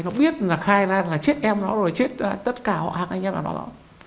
nó biết là khai ra là chết em nó rồi chết tất cả họ anh em và nó